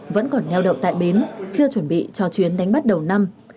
vẫn còn neo đậu tại bến chưa chuẩn bị cho chuyến đánh bắt đầu năm